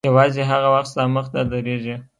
یوازې هغه وخت ستا مخته درېږي.